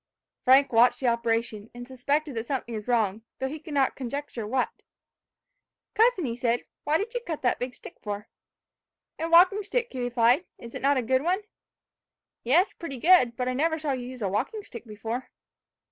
Frank watched the operation, and suspected that something was wrong, though he could not conjecture what. "Cousin," said he, "what did you cut that big stick for?" "A walking stick," he replied: "Is it not a good one?" "Yes, pretty good; but I never saw you use a walking stick before."